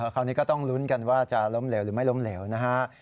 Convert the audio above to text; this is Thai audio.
คราวนี้ก็ต้องลุ้นกันว่าจะล้มเหลวหรือไม่ล้มเหลวนะฮะ